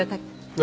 何？